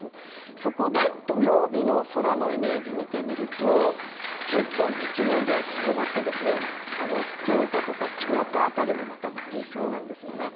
そこで、土曜日の空のイメージを見てみると結構、雪のエリアが広がって福岡や京都辺りもまた、降りそうなんですよね。